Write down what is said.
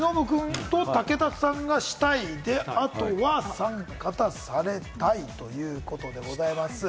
忍君と武田さんが、したいで、あとはおさん方、されたいということでございます。